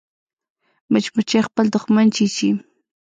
مچمچۍ خپل دښمن چیچي